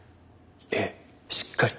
ええしっかり。